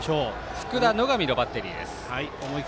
福田、野上のバッテリー。